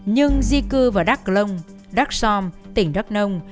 nhưng di cư vào đắk lông đắk xom tỉnh đắk nông